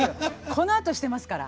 このあとしてますから。